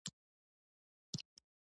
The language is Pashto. چارمغز د بدن دفاعي سیستم قوي کوي.